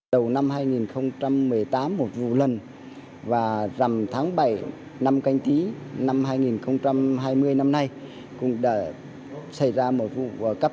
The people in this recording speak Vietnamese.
đầu năm hai nghìn một mươi tám một vụ lần và rằm tháng bảy năm canh tí năm hai nghìn hai mươi năm nay cũng đã xảy ra một vụ cấp